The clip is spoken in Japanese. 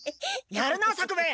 やるなあ作兵衛！